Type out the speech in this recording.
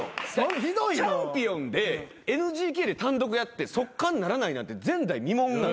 チャンピオンでＮＧＫで単独やって即完ならないなんて前代未聞。